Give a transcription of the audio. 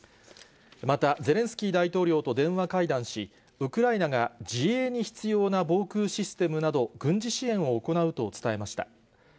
また、ゼレンスキー大統領と電話会談し、ウクライナが自衛に必要な防空システムなど、軍事支援を行うと伝えました。